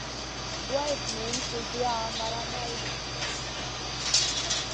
Duwayda niyn kusiya maraʼha maydi.